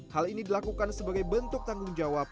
hal ini dilakukan sebagai bentuk tanggung jawab